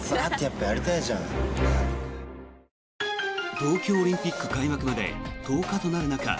東京オリンピック開幕まで１０日となる中